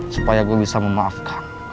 supaya gue bisa memaafkan